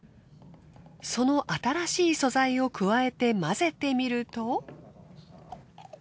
その新しい素材を加えて混ぜてみると。